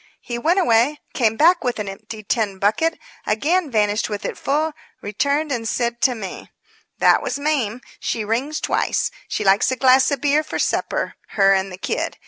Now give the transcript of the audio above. He went away; came back with an empty tin bucket; again vanished with it full; returned and said to me: "That was Mame. She rings twice. She likes a glass of beer for supper. Her and the kid.